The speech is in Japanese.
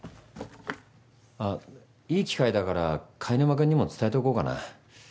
あっいい機会だから貝沼君にも伝えとこうかな。